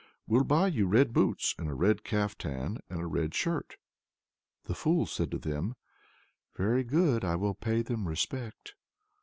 We'll buy you red boots, and a red caftan, and a red shirt." The fool said to them: "Very good; I will pay them respect."